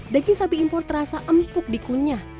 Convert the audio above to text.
daging sapi impor terasa empuk dikunyah